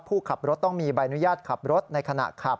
ผู้ขับรถต้องมีใบอนุญาตขับรถในขณะขับ